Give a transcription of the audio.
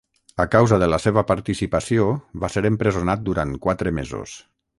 A causa de la seva participació va ser empresonat durant quatre mesos.